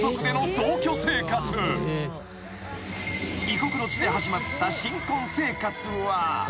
［異国の地で始まった新婚生活は］